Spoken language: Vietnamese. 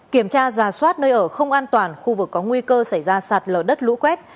kiểm tra giả soát nơi ở không an toàn khu vực có nguy cơ xảy ra sạt lở đất lũ quét